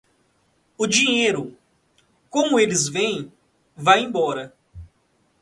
O dinheiro, como eles vêm, vai embora.